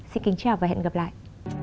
xin chào và hẹn gặp lại